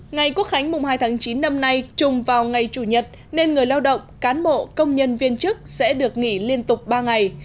ngày quốc khánh mùng hai tháng chín năm nay trùng vào ngày chủ nhật nên người lao động cán bộ công nhân viên chức sẽ được nghỉ liên tục ba ngày